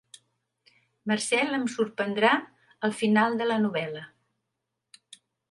Marcel em sorprendrà al final de la novel·la.